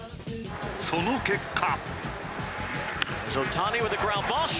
その結果。